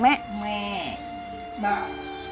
แม่แม่แม่แม่แม่แม่แม่แม่แม่แม่